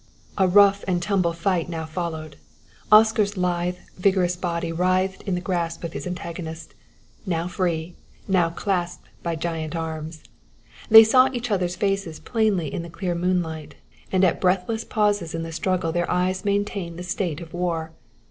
A rough and tumble fight now followed. Oscar's lithe, vigorous body writhed in the grasp of his antagonist, now free, now clasped by giant arms. They saw each other's faces plainly in the clear moonlight, and at breathless pauses in the struggle their eyes maintained the state of war.